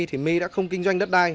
thì my đã không kinh doanh đất đai